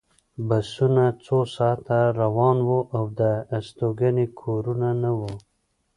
بسونه څو ساعته روان وو او د استوګنې کورونه نه وو